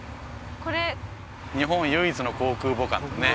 これ日本唯一の航空母艦でね